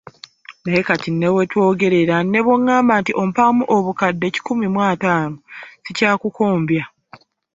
Naye kati we twogerera ne bw’ogamba nti ompaamu obukadde kikumi mu ataano sikakukombya